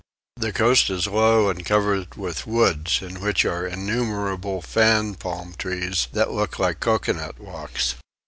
The coast is low and covered with woods in which are innumerable fan palm trees that look like coconut walks.